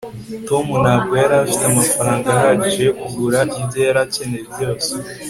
tom ntabwo yari afite amafaranga ahagije yo kugura ibyo yari akeneye byose